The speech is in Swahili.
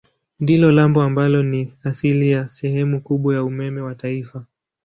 Ndilo lambo ambalo ni asili ya sehemu kubwa ya umeme wa taifa.